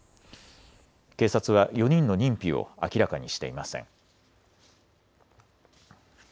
警察は４人の認否を明らかにしていません。